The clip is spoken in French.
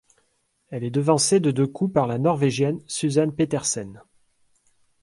Elle est devancée de deux coups par la norvégienne Suzann Pettersen.